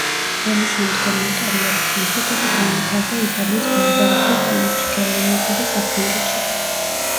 რომის შემდგომ ნოტარიატის ინსტიტუტი განვითარდა იტალიის ბარბაროსულ ტომებში, გერმანიასა და საფრანგეთშიც.